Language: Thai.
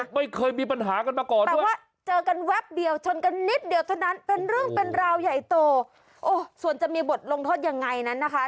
แปลว่าเจอกันแวบเดียวชนกันนิดเดียวเท่านั้นเป็นเรื่องเป็นราวใหญ่โตโอ้ส่วนจะมีบทลงทศยังไงนั้นนะคะ